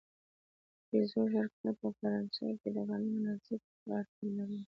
د پيژو شرکت په فرانسې کې قانوني مناسکو ته اړتیا لرله.